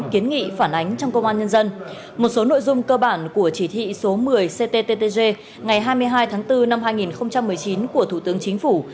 kiến nghị phản ánh trong công an nhân dân một số nội dung cơ bản của chỉ thị số một mươi cttg ngày hai mươi hai tháng bốn năm hai nghìn một mươi chín của thủ tướng chính phủ